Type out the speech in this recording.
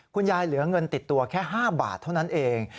เหลือเงินติดตัวแค่๕บาทเท่านั้นเอง